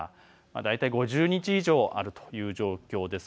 大体５０日以上あるという状況です。